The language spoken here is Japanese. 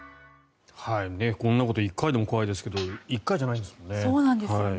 こんなこと１回でも怖いですけど１回じゃないんですもんね。